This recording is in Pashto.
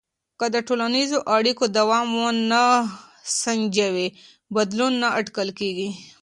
که د ټولنیزو اړیکو دوام ونه سنجوې، بدلون نه اټکل کېږي.